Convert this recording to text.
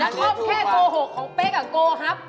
เต็มแค่โกหกของเปี้กับโกฮัพ